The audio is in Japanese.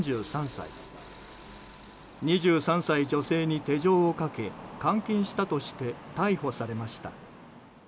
２３歳女性に手錠をかけ監禁したとして逮捕されました。